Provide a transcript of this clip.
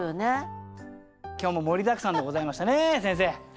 今日も盛りだくさんでございましたね先生。